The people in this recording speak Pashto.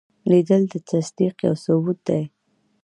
لیدل د تصدیق یو ثبوت دی